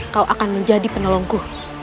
kau akan menjadi penolongku